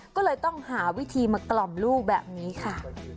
ก็เลยต้องหาวิธีมากล่อมลูกแบบนี้ค่ะ